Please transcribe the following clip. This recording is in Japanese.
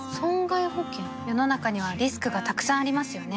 世の中にはリスクがたくさんありますよね